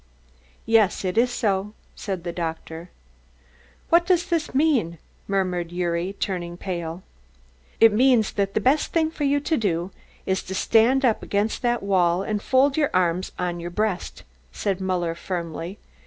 "Yes, it is so," said the doctor. "What does this mean?" murmured Gyuri, turning pale. "It means that the best thing for you to do is to stand up against that wall and fold your arms on your breast," said Muller firmly.